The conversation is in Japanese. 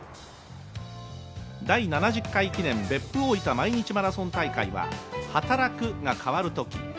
第７０回記念別府大分毎日マラソン大会は働く、が変わるとき。